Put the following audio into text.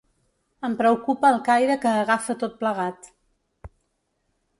Em preocupa el caire que agafa tot plegat.